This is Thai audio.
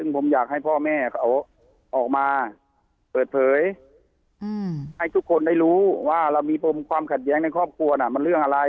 ผมอยากให้พ่อแม่เขาออกมาเปิดเผยให้ทุกคนได้รู้ว่าเรามีปมความขัดแย้งในครอบครัวน่ะมันเรื่องอะไร